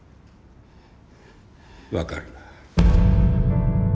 わかるな？